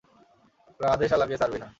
রাধে শালাকে ছাড়বি না!